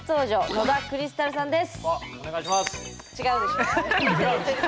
野田クリスタルです。